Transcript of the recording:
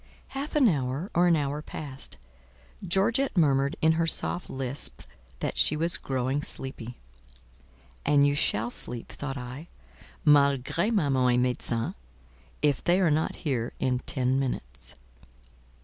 Half an hour or an hour passed; Georgette murmured in her soft lisp that she was growing sleepy. "And you shall sleep," thought I, "malgré maman and médecin, if they are not here in ten minutes."